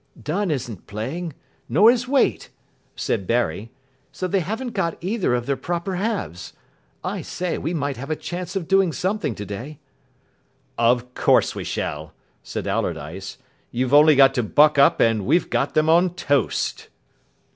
"Dunn isn't playing, nor is Waite," said Barry, "so they haven't got either of their proper halves. I say, we might have a chance of doing something today." "Of course we shall," said Allardyce. "You've only got to buck up and we've got them on toast."